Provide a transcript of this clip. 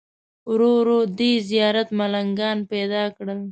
ورو ورو دې زیارت ملنګان پیدا کړل.